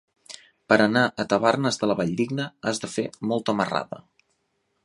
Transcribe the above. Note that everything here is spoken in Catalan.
Per anar a Tavernes de la Valldigna has de fer molta marrada.